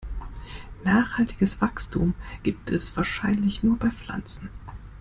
Nachhaltiges Wachstum gibt es wahrscheinlich nur bei Pflanzen.